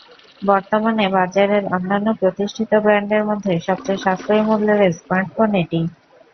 বর্তমানে বাজারের অন্যান্য প্রতিষ্ঠিত ব্র্যান্ডের মধ্যে সবচেয়ে সাশ্রয়ী মূল্যের স্মার্টফোন এটি।